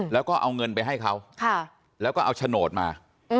แล้วก็เอาเงินไปให้เขาแล้วก็เอาโฉนดมา